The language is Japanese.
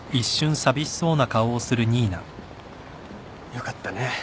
よかったね。